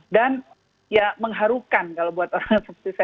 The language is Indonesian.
dan ya mengharukan kalau buat orang seperti saya memang mengharukan sekali